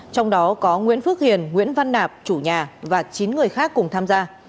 trong đó có nguyễn phước hiền nguyễn văn nạp chủ nhà và chín người khác cùng tham gia